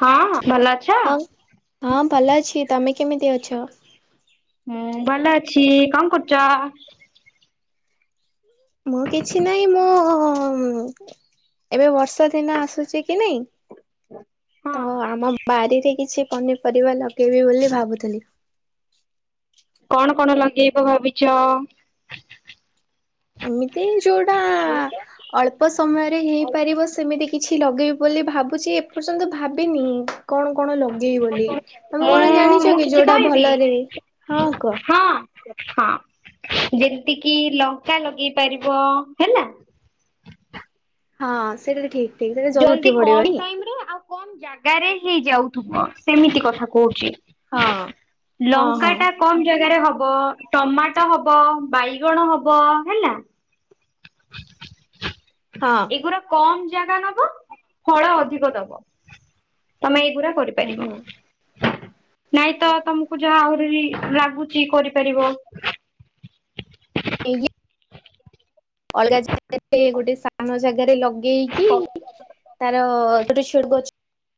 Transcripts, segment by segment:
ହଁ ଭଲ ଅଛ? ହଁ ହଁ ଭଲ ଅଛି, ତମେ କେମିତି ଅଛ? ମୁଁ ଭଲ ଅଛି କଣ କରୁଛ? ମୁଁ କିଛି ନାହିଁ, ମୁଁ ଏବେ ବର୍ଷା ଦିନ ଆସୁଛି କି ନାଇଁ। ହଁ ତ ଆମ ବାରିରେ କିଛି ପନିପରିବା ଲଗେଇବି ବୋଲି ଭାବୁଥିଲି। କଣ କଣ ଲଗେଇବ ଭାବିଛ। ଏମିତି ଯୋଉଟା ଅଳ୍ପ ସମୟରେ ହେଇପାରିବ ସେମିତି କିଛି ଲଗେଇ ବୋଲି ଭାବୁଛି ଏପର୍ଯ୍ୟନ୍ତ ଭାବିନି। କଣ କଣ ଲଗେଇବି ବୋଲି, ତମେ ମୁଁ କଣ ଜାଣିଛ ମୁଁ କି କିଛି ଯୋଉଟା କହିବି? ଭଲରେ। ହଁ କୁହ। ହଁ ହଁ ଯେମିତି କିି ଲଙ୍କା ଲଗେଇ ପାରିବ ହେଲା। ହଁ ସେଇଟା ଠିକ। ଠିକ ସେଇଟା ଉଠି ଜଲଦି କମ ପଡିବନି ଟାଇମରେ ଆଉ କମ ଜାଗା ଜାଗାରେ ହେଇ ଯାଉଥିବ ସେମିତି କଥା କହୁଛି। ହଁ ହଁ ଲଙ୍କାଟା କମ ଜାଗାରେ ହ ହ ଟମାଟୋ ହବ ବାଇଗଣ ହବ ହେଲା। ହଁ ଏଗୁରା କମ ଜାଗା ନବ ଫଳ ଅଧିକ ଦବ ତମେ ଏଇଗୁଡା କରିପାରିବ। ହଁ। ନାଇଁ ତ ତମକୁ ଯାହା ଆହୁରି ଲାଗୁଛି କରିପାରିବ। ଏଇ ଲି ଅଲଗା ଜାଗାରେ ଗୋଟେ ସାନ ଜାଗାରେ ଲଗ। ତ ଲଗେଇକି ତାର ଗୋଟେ ଛୋଟ ଗଛ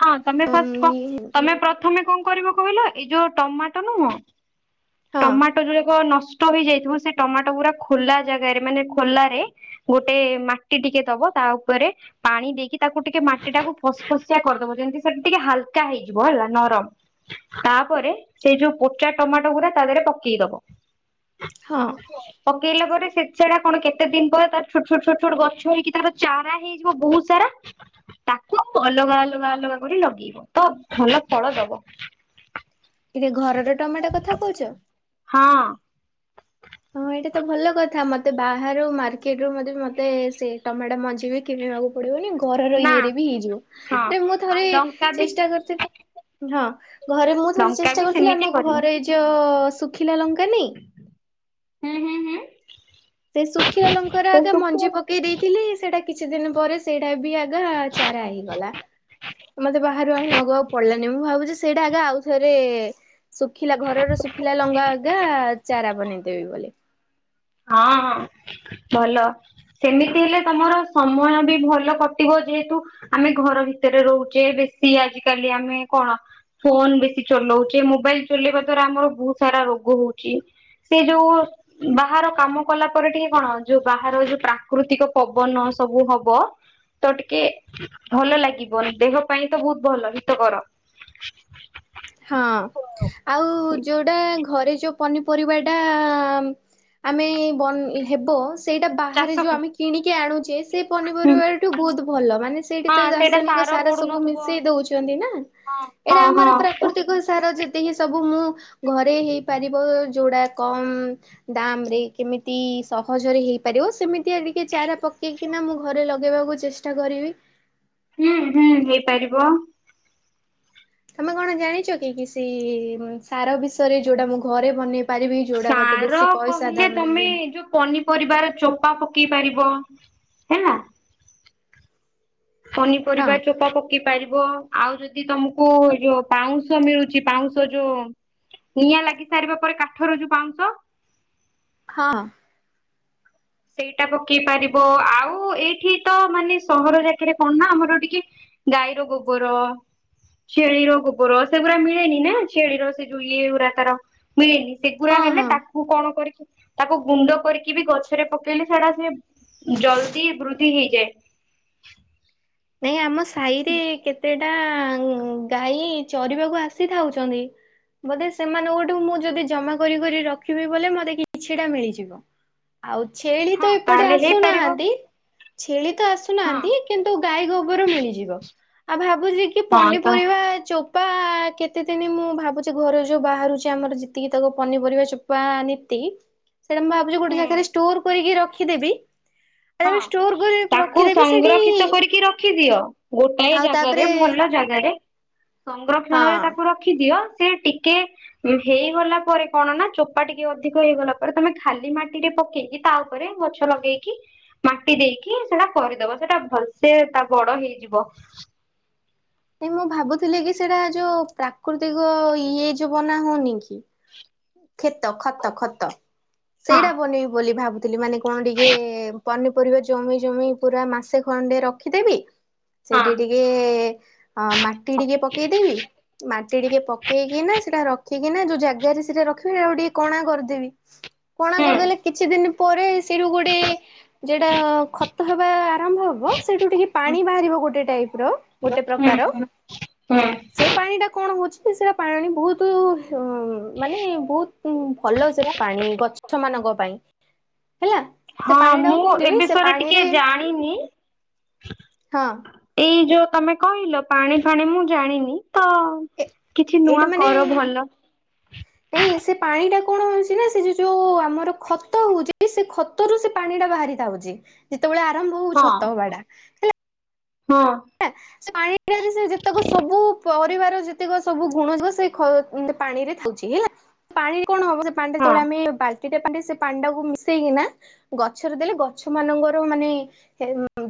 ହଁ ତମେ ଫାଷ୍ଟ କ ହଁ ତମେ ପ୍ରଥମେ କଣ? କଣ କରିବ କହିଲ ଏଇ ଯୋଉ ଟମାଟୋ ନୁହଁ ଟମାଟୋ ଯୋଉ ଏକ ନଷ ନଷ୍ଟ ହେଇଯାଇଥିବ ସେ ଟମାଟୋ ଗୁରା ଖୋଲା ଜାଗାରେ ମାନେ ଖୋଲାରେ ଗୋଟେ ମାଟି ଟିକେ ଦବ ତା ଉପରେ ପାଣି ଦେଇକି ତାକୁ ଟିକେ ମାଟି ଟାକୁ ଫସ ଫସିଆ କରିଦବ ଯେମିତି ସେଠି ଟିକେ ହାଲକା ହେଇଯିବ ନରମ ତାପରେ ସେ ଯୋଉ ପୋଚା ଟମାଟୋ ଗୁରା ତାଦିହରେ ପକେଇବ ହଁ ପକେଇଲା ପରେ ସେଟା କଣ କେତେ ଦିନ ପରେ ତା ଛୋଟ ଛୋଟ ଛୋଟ ଛୋଟ ଗଛ ହେଇକି ତାର ଚାରା ହେଇଯିବ ବହୁତ ସାରା ତାକୁ ଅଲଗା ଅଲଗା ଅଲଗା କରି ଲଗେଇବ ତ ଭଲ ଫଳ ଦବ ଟିକେ ଘରର ଟମାଟୋ କଥା କହୁଛ ହଁ। ହଁ ଏଇଟା ତ ଭଲ କଥା ମତେ ବାହାରୁ ମାର୍କେଟ ରୁ ମଧ୍ୟ ମତେ ସେ ଟମାଟୋ ମଞ୍ଜି ବି କେ। ପଡିବନ ଘରର ନା ଇଏରେ ବି ହଁ ହେଇଯିବ ମୁଁ ଆଉ ଥରେ ଲଙ୍କା ବି ଚେଷ୍ଟା କରିଥିଲି [unintelligible] ହଁ ଘରେ ମୁଁ ଥରେ ଲଙ୍କା ଚେଷ୍ଟା ବି କରୁଥିଲି ସେମିତି ଆମ କରିବ। ଘରେ ଯୋ ଶୁଖିଲା ଲଙ୍କା ନାଇଁ ହୁଁ ହୁଁ ହୁଁ। ସେ ଶୁଖିଲା ଲଙ୍କାର ସେ ଆଗେ ମଞ୍ଜି ଶୁଖିଲା ପକେଇ ଦେଇଥିଲି ସେଟା କିଛି ଦିନ ପରେ ସେଇଟା ବି ଆଗା ଚାରା ହେଇଗଲା ମତେ ବାହାରୁ ଆଣିବାକୁ ଆଉ ପଡିଲାନି ମୁଁ ଭାବୁଛି ସେଇଟା ଆଗା ଆଉ ଥରେ ଶୁଖିଲା ଘରର ଶୁଖିଲା ଲଙ୍ଗା ଆଗା ଚାରା ବନେଇଦେବି ବୋଲି ହଁ ହଁ [unintelligible] ଭଲ ସେମିତି ହେଲେ ତମର ସମୟ ବି ଭଲ କଟିବ ଯେହେତୁ ଆମେ ଘର ଭିତରେ ରହୁଛେ ବେଶି ଆଜିକାଲି ଆମେ କଣ ଫୋନ ବେଶୀ ଚଲଉଛେ ମୋବାଇଲ ଚଲେଇବା ାର ଆମର ବହୁତ ସାରା ରୋଗ ହଉଛି ସେ ଯୋଉ ବାହାର କାମ କଲା ପରେ ଟିକେ କଣ ଯୋଉ ବାହାର ଯୋଉ ପ୍ରାକୃତିକ ପବନ ସବୁ ହବ ପା [unintelligible] ତ ଟିକେ ଭଲ ଲାଗିବନ ଦେହ ପାଇଁ ତ ବହୁତ ଭଲ ହିତକର ହଁ, ଆଉ ଯୋଉଟା ଘରେ ଯୋଉ ପନିପରିବା ଟାଆଆଆ ଆମେ ବ ହେବ ସେଇଟା ଚାଷ ବାହାରେ ଯେଉଁ ହଁ ଆମେ କିଣିକି ଆଣୁଛେ ସେଇ ପନିପରିବାଠୁ ବହୁତ ଭଲ ମାନେ ସେଇଠି ତ ସେଇଟା ରାସାୟନିକ ସାର ସବୁ ପଡୁନଥିବ ମିଶେଇ ଦଉଛନ୍ତି ନା ହଁ ଏଇଟା ହଁ ଆମର ହଁ। ପ୍ରାକୃତିକ [unintelligible] ଯେତ ହି ସବୁ ମୁ ଘରେ ହେଇପାରିବ ଯୋଉଟା କମ ଦାମ ରେ ଏମିତି ସହଜରେ ହେଇପାରିବ ସେମିତିଆ ଟିକେ ଚାରା ପକେଇକିନା ମୁଁ ଘରେ ଲଗେଇବାକୁ ଚେଷ୍ଟା କରିବି ବିପ୍ [unintelligible] ହୁଁ ହୁଁ ହେଇପାରିବ। ତମେ କଣ ଜାଣିଛ କି କି ସେ ସାର ବିଷୟରେ ଯୋଉଟା ମୁଁ ଘରେ ବନେଇ ପାରିବି ଯୋଉଟା ମତେ ସାର ବେଶୀ ପଇସା କହିଲେ ଦାମ ତମେ ଲାଗିବନି ଏ ଯୋଉ ପନିପରିବାର ଚ ପା ପକେଇ ପାରିବ ହେଲା। ହଁ ପନିପରିବା ଚୋପା ପକି ପାରିବ। ଆଉ ଯଦି ତମକୁ ଏ ଯୋଉ ପାଉଁଶ ମିଳୁଛି ପାଉଁଶ ଯୋଉ ନିଆଁ ଲାଗି ସାରିବା ପରେ କାଠର ଯୋଉ ପାଉଁଶ। ହଁ। ସେଇଟା ପକେଇ ପାରିବ ଆଉ ଏଇଠି ତ ମାନେ ସହର ଜାକାରେରେ କଣ ନା ଆମର ଟିକେ ଗାଈର ଗୋବର ଛେଳିର ଗୋବର, ସେ ପୁରା ମିଳେନି ନା ଛେଳି ର ସେ ଯଉ ଇ ଉରା ତାର ମିଳେନି। ସେଗୁଡ଼ା ହଁ ହେଲେ ହଁ। ତାକୁ କଣ କରିକି ତାକୁ ଗୁଣ୍ଡ କରିକି ବି ଗଛ ସେଟା ପକେଇଲେ ସେଟା ସେ ଜଲଦି ବୃଦ୍ଧି ହେଇଯାଏ। ନାଇଁ ଆମ ସାହିରେ କେତେଟା ଉମ୍ ଗାଈ ଚରିବାକୁ ଆସିଥାଉଛନ୍ତି। ବୋଧେ ସେମାନଙ୍କୋଠୁ ମୁଁ ଯଦି ଜମା କରି, କରି ରଖିବି ବୋଲେ ମତେ କିଛିଟା ମିଳିଯିବ। ଆଉ ଛେଳି ହଁ ତ ଏପଟେ ତାହେଲେ ହେଇପାରିବ ଆସୁନାହାନ୍ତି। ଛେଳି ତ ହଁ ଆସୁନାହାନ୍ତି। କିନ୍ତୁ ଗାଈ ଗୋବର ମିଳିଯିବ ଆଉ ଭାବୁ ଚିକି, କି ହଁ ତା ପନିପରିବା ଚ କେତେ ଦିନ ମୁଁ ଭାବୁଛି, ଘରେ ଯୋଉ ବାହାରୁଛି ଆମର ଯେତିକି ତାକୁ ପନିପରିବା ଚୋପା ନୀତି ସେଇଟା ମୁଁ ଭାବୁଛି ଗୋଟେ ହୁଁ ଜାଗାରେ ଷ୍ଟୋର କରିକିରଖିଦେବି। ହଁ ତାକୁ ସେଠି ସଂଙ୍ଗ୍ରଖିତ କରିକି ରଖ ରଖିଦିଅ ଗୋଟାଏ ଆଉ ଜାଗାରେ ତାପରେ ଭଲ ଜାଗାରେ ହଁ। ସଂଗ୍ରକ୍ଷଣରେ ତାକୁ ରଖି ଦିଅ। ସେ ଟିକେ ହେଇଗଲା ପରେ କଣ ନା ଚୋପା ଟିକେ ଅଧିକ ହେଇଗଲା ପରେ ତମେ ଖାଲି ମାଟିରେ ପକେଇକି ତା ଉପରେ ଗଛ ଲଗେଇକି ମାଟି ଦେଇକି ସେଟା କରିଦବ ସେଟା ଭଲସେ ତା ବଡ ହେଇଯିବ। ଏ ମୁଁ ଭାବୁଥିଲି ଯେ ସେଇଟା ଯୋଉ ପ୍ରାକୃତିକ ଇଏ ଯୋ ବନା ହଉନି କି? ଖେତ ଖତ, ଖତ ହଁ ସେଇଟା ବନେଇବି ବୋଲି ଭାବୁ ଥିଲି। ମାନେ କଣ ଟିକେ ପନିପରିବା ଜମେଇ, ଜମେଇ ପୁରା ମାସେ ଖଣ୍ଡେ ରଖିଦେବି ହଁ ସେଡିଡିିକେ ଆଁ ମାଟି ଟିକେ ପକେଇଦବି। ମାଟି ଟିକେ ପକେଇକି ନା ସେଟା ର ଠିକ ନା ଯୋଉ ଜାଗାରେ ସେଟା ରଖିବି ଆଉ ଟିକେ କଣା କରିଦେବି କଣା ହୁଁ କରିଦେଲେ କିଛି ଦିନ ପରେ ସେଠୁ ଗୋଟେ ଯଟା ଖତ ହେବା ଆରମ୍ଭ ହବ ସେଠୁ ଟିକେ ହୁଁ ପାଣି ବାହାରିବ ଗୋଟେ ଟାଇପ ର ଗୋଟେ ପ୍ର ହୁଁ କାର। ହୁଁ ହୁଁ ସେ ପାଣି ଟା କଣ ହଉଛି? ସେଟା ପାଣି ବହୁତ ମାନେ ବହୁତ ଭଲ ସେଟା ପାଣି ଗଛ ମାନ ଙ୍କ, ପାଇଁ। ହେଲା ସେ ହଁ ପାଣି ଟାକୁ ମୁଁ କଣ ଏ କରିବି ସେ ବିଷୟରେ ପାଣିରେ ଟିକେ ଜାଣିନି। ହଁ ଏଇ ଯୋଉ ତମେ କହିଲ ପାଣି, ଫାଣି ମୁଁ ଜାଣିନି। ତ ଏ- କିଛି ନୂଆ ଏଇଟା ମାନେ କର ଭଲ। ନାଇଁ ସେ ପାଣି ଟା କଣ ହଉଛି ନା ସେ ଯ ଯୋଉ ଆମର ଖତ ହଉଛି ସେ ଖତ ରୁ ସେ ପାଣି ଟା ବାହାରି ଯାଉଛି। ଯେତେବେଳେ ଆରମ୍ଭ ହଉଛି ହଁ ଖତ ବାଡ଼ା ହେଲା। ହଁ ହେଲା ସେ ପାଣିଟ ସେ ଯେତେକ ସବୁ ପରିବା ର ଯେତିକ ସବୁ ଗୁଣ ଯ ସେ ପାଣି ରେ ଥାଉଛି ହେଲା ପାଣିରେ କଣ ହବ ପାଣିରେ ହଁ ତଳେ ଆମେ ବା ଟି ଟାଇପ ସେ ପାଣ୍ଡା କୁ ମିଶେଇକିନା, ଗଛରେ ଦେଲେ ଗଛ ମାନଙ୍କର ମାନେ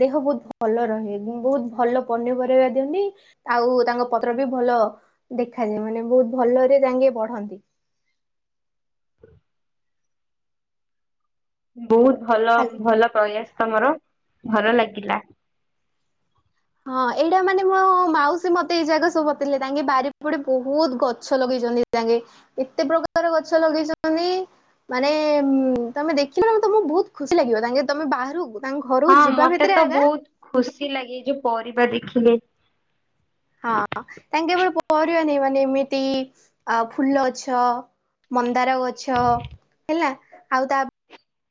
ଦେ ବହୁତ ଭଲ ରହେ ବହୁତ ଭଲ ପନିପରାଇବା ଦିଅନ୍ତି। ଆଉ ତା ପତ୍ର ବି ଭଲ ଦେଖାାଯାଏ ମାନେ ବହୁତ ଭଲରେ ରେ ଯେ ବଢନ୍ତି। ବହୁତ ଭଲ ହାଲ ଭଲ ପ୍ରୟାସ ତମର, ଭଲ ଲାଗିଲା। ହଁ ଏଇଟା ମାନେ ମୋ ମାଉସୀ ମତେ ଏଇ ଜାଗା ସବୁ ବତେଇଲେ। ତାଙ୍କେ ବାରି ପଡେ ବହୁତ ଗଛ ଲଗେଇ ଛନ୍ତି। ସାଙ୍ଗେ ଏତେ ପ୍ରକାର ଗଛ ଲଗେଇଛନ୍ତି ମାନେ ଉ ତମେ ଦେଖିଲ ତମକୁ ବହୁତ ଖୁସି ଲାଗିବ ତାଙ୍କେ ତମେ ବାହାରୁକୁ ହଁ ମତେ ତ ବହୁତ ଖୁସି ଲାଗେ ଯେ ପରିବା ଦେଖିଲେ। ହଁ ତାଙ୍କେ କେବଳ ପରିବାନି ଏମିତି ଆ ଫୁଲ ଗଛ ମନ୍ଦାର ଗଛ, ହେଲା ଆଉ ତା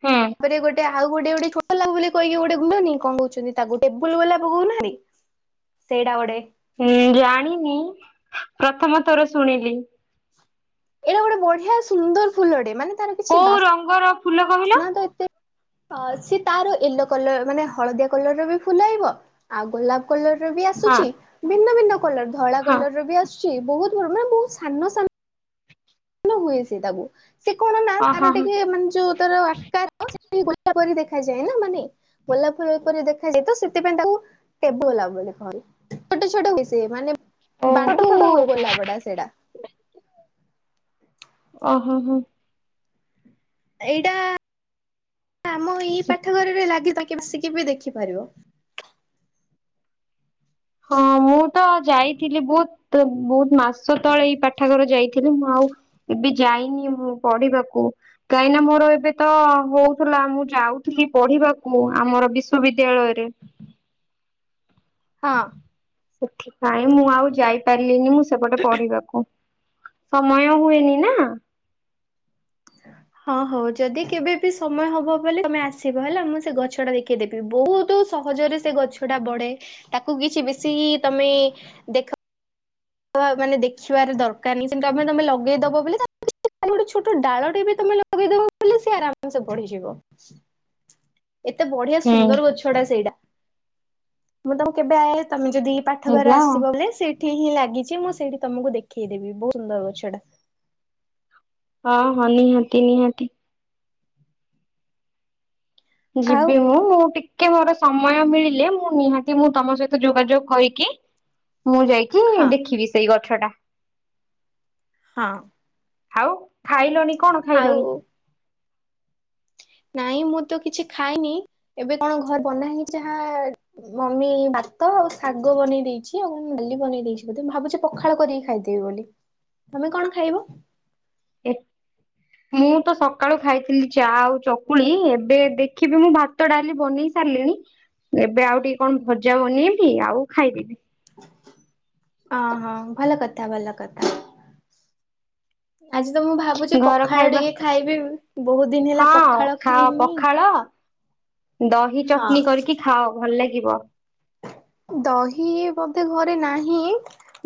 ହୁଁ ମେ ଗୋଟେ ଆଉ ଗୋଟେ ଗୋଟେ ଛୋଟଲା ବୋଲି କହିକି ଗୋଟେ ଗୁ କଣ କହୁଛନ୍ତି ତାକୁ ଟେବୁଲ ଗୋଲପ କୋହୁନହନ୍ତି। ସେଇଡ଼ା ଗୋଟେ। ହୁଁ ଜାଣିନି ପ୍ରଥମ ଥର ଶୁଣିଲି। ଏଇଟା ଗୋଟେ ବଢିଆ ସୁନ୍ଦର ଫୁଲ ଟେ ମାନେ ତାର କିଛି ବାସ ହଉ ରଙ୍ଗର ଫୁଲ କହିଲ? ନା ତ ଏତେ ସିଏ ତାର ୟେଲୋ କଲର ମାନେ ହଳଦିଆ କଲର ର ବି ଫୁଲ ଆଇବ ଆଉ ଗୋଲାପ କଲର ବି ହଁ ଆସୁଛି ଭିନ୍ନ ଭିନ୍ନ କଲର ଧଳା ହଁ କଲର ବି ଆସୁଛି, ବହୁତ ମାନେ ବହୁତ ସାନ ସ ହୁଏ ସେ ତାକୁ ସେ କଣ ନା ଅ ତାର ହଁ ହଁ ଟିକେ ମାନେ ଯୋଉ ତାର ଆକାର ଗୋଲାପରି ଦେଖାଯାଏ, ନା ମାନେ ଗୋଲାପ ଫୁଲ ପ ଦେଖାଯାଏ ତ ସେଥିପାଇଁ ତାକୁ ଟେବ ଲବ ଛଟ ଛୋଟ ମିଶି ମାନେ ଓ ବାଣ୍ଠୁ ଗୋଲାପଟ ସେଇଟା। ଓ ହୋ ହୋ। ଏଇଟା ଆମ ଏଇ ପାଠଘରରେ ଲାଗି ତାକ ବସିକି ବି ଦେଖିପାରିବ। ହଁ ମୁଁ ତ ଯାଇଥିଲି ବହୁତ ବହୁତ ମାସ ତଳେ ଏଇ ପାଠାଗର ଯାଇଥିଲି ମୁଁ ଆଉ ଏବେ ଯାଇନି ମୁଁ ପଢିବାକୁ, କାହିଁ ମୋର ଏବେ ତ ହଉଥିଲା ମୁଁ ଯାଉଥିଲି ପଢିବାକୁ ଆମର ବିଶ୍ୱବିଦ୍ୟାଳୟରେ ହଁ। ସେଥିପାଇଁ ମୁଁ ଆଉ ଯାଇପାରିଲିନି ମୁଁ ସେପଟେ ପଢିବାକୁ ସମୟ ହୁଏନି ନା। ହଁ ହଉ ଯଦି କେବେ ବି ସମୟ ହବ ବୋଲି ତମେ ଆସିବ ହେଲା ମୁଁ ସେ ଗଛ ଟା ଦେଖେଇଦେବି ବହୁତ ସ ସହଜରେ ସେ ଗଛ ଟା ବଢେ, ତାକୁ କିଛି ବେଶି ତମେ ଦେଖ ମାନେ ଦେଖିବାର ଦରକାର ନାହିଁ ସେମତି ଆମ ତମେ ଲଗେଇଦବ ବୋଲି ଗୋଟେ ଛୋଟ ଡାଳଟି ବି ତମେ ଲଗେଇଦବ ବୋଲି ସି ଆରାମସ ବଢିଯିବ ଏତେ ବଢିଆ ହୁଁ ସୁନ୍ଦର ଗଛଟା ସେଇଟା, ମୁଁ ତାକୁ କେବେ ଆ ତମେ ଯଦି ପାଠ ଘର ହେଲା ଆଉ। ଆସିବ ବୋଲି ସେଇଠି ହିଁ ଲାଗ ଯେ ମୁଁ ସେଇଠି ତମକୁ ଦେଖେଇଦେବି ବହୁତ ସୁନ୍ଦର ଗଛଟା। ହଁ ହଁ ନିହାତି ନିହାତି। ଆଉ ଯିବି ମୁଁ ମୁଁ ଟିକ୍ ମୋର ସମୟ ମିଳିଲେ ମୁଁ ନିହାତି ମୁଁ ତମ ସହିତ ଯୋଗାଯୋଗ କରିକି ମୁଁ ଯାଇକି ହଁ ଦେଖିବି ସେଇ ଗଛଟା। ହଁ। ଆଉ ଖାଇଲଣି କଣ ଖାଇଲଣି? ଆଉ ନାଇଁ ମୁଁ ତ କିଛି ଖାଇନି, ଏବେ କଣ ଘର ବନା ହେଇ ଯାହା ମମି ବାଥ ଭାତ ଆଉ ଶାଗ ବନେଇ ଦେଇଛି, ଆଉ ମୁ ଡାଲି ବନେଇ ଦେଇଛି ବୋଧେ, ମୁଁ ଭାବୁଛି ପଖାଳ କରିକି ଖାଇଦେବି ବୋଲି। ତମେ କଣ ଖାଇବ? ଏକ। ମୁଁ ତ ସକାଳୁ ଖାଇଥିଲି ଚା ଆଉ ଚକୁଳି, ଏବେ ଦେଖିବି ମୁଁ ଭାତ ଡାଲି ବନେଇ ସାରିଲିଣି ଏବେ ଆଉ ଟିକେ କଣ ଭଜା ବନେଇବି, ଆଉ ଖାଇଦେବି। ଅ ହ ଭଲ କଥା ଭଲ କଥା। ଆଜି ତ ମୁଁ ଭାବୁଛି ଘର ପଖାଳ ଖାଇବା ଟିକେ ଖାଇବି, ବହୁତ ଦିନ ହେଲା ହଁ ପଖାଳ ଖାଅ ଖାଇନି। ପଖାଳ ଦହି ହଁ ଚଟଣୀ କରିକି ଖାଅ ଭଲ ଲାଗିବ। ଦହି ବୋଧେ ଘରେ ନାହିଁ।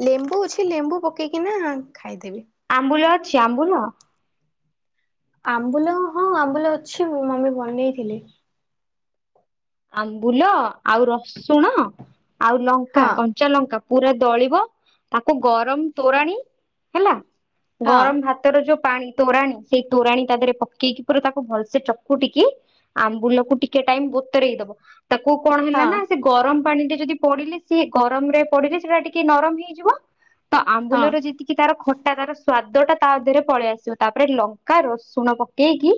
ଲେମ୍ବୁ ଅଛି ଲେମ୍ବୁ ପକେଇକି ନା ଖାଇଦେବି। ଆମ୍ବୁଲ ଆମ୍ବୁଲ। ଆମ୍ବୁଲ ହଁ ଆମ୍ବୁଲ ଅଛି, ମମି ବନେଇଥିଲେ। ଆମ୍ବୁଲ ଆଉ ରସୁଣ ଆଉ ଲଙ୍କା ହଁ କଞ୍ଚା ଲଙ୍କା ପୁରା ଦଳିବ ତାକୁ ଗରମ ତୋରାଣି ହେଲା ହଁ ଗରମ ଭାତର ଯୋଉ ପାଣି ତୋରାଣି ସେଇ ତୋରାଣୀ ତା ଦେହରେ ପକେଇକି ପୁରା ତାକୁ ଭଲସେ ଚକୁଟିକି ଆମ୍ବୁଲକୁ ଟିକେ ଟାଇମ ବତରେଇ ଦବ। ତାକୁ କଣ ହେଲା ହଁ ନା ସେ ଗରମ ପାଣିରେ ଯଦି ପଡିଲେ ସିଏ ଗରମରେ ପଡିଲେ ସେଟା ଟିକେ ନରମ ହେଇଯିବ ତ ହଁ। ଆମ୍ବୁଲର ଯେତିକି ତାର ଖ ତା ତାର ସ୍ଵାଦ ଟା ତାରେ ପଳେଇ ଆସିବ ତାପରେ ଲଙ୍କା ରସୁଣ ପକେଇକି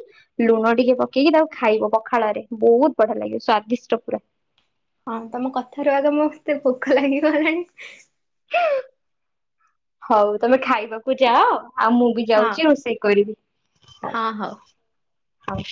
ଲୁଣ ଟିକେ ପକ ପକେଇକି ତାକୁ ଖାଇବ। ପଖାଳରେ ବହୁତ ବଢିଆ ଲାଗିବ ସ୍ଵାଦିଷ୍ଟ ପୁରା। ହଁ ତମ କଥାରୁ ଆଗ ମୋ ଏତେ ଭୋକ ଲାଗିଗଲାଣି। ହଉ ତମେ ଖାଇବାକୁ ଯାଅ। ଆଉ ମୁଁ ବି ହଁ ଯାଉଛି ରୋଷେଇ କରିବି। ହଁ ହଉ। ହଉ।